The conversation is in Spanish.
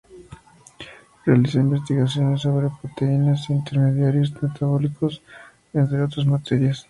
Realizó investigaciones sobre proteínas e intermediarios metabólicos, entre otras materias.